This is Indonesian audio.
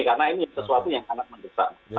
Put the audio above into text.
karena ini sesuatu yang sangat mendesak